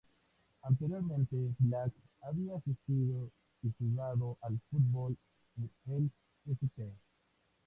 Anteriormente, Black había asistido y jugado al fútbol en el St.